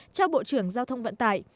cho bộ trưởng giao thông vận tải